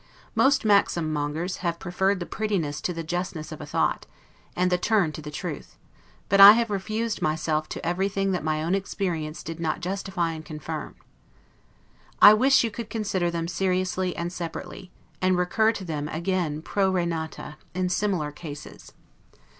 Most maxim mongers have preferred the prettiness to the justness of a thought, and the turn to the truth; but I have refused myself to everything that my own experience did not justify and confirm. I wish you would consider them seriously, and separately, and recur to them again 'pro re nata' in similar cases.